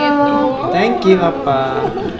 terima kasih opah